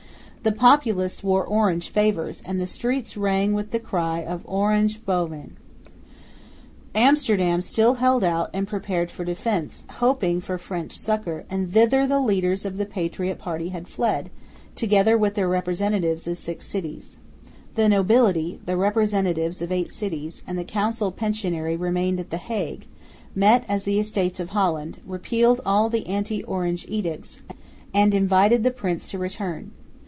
The populace wore Orange favours, and the streets rang with the cry of Oranje boven. Amsterdam still held out and prepared for defence, hoping for French succour; and thither the leaders of the patriot party had fled, together with the representatives of six cities. The nobility, the representatives of eight cities, and the council pensionary remained at the Hague, met as the Estates of Holland, repealed all the anti Orange edicts, and invited the prince to return.